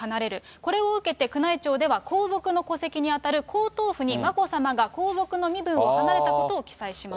これを受けて宮内庁では皇族の戸籍に当たる皇統譜に眞子さまが皇族の身分を離れたことを記載します。